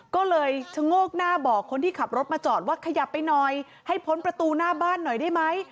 ก็เลยชะโงกหน้าบอกคนที่ขับรถมาจอดว่าขยับไปหน่อยให้พ้นประตูหน้าบ้านหน่อยได้ไหม